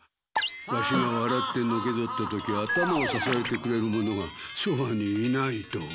ワシがわらってのけぞった時頭をささえてくれる者がそばにいないと。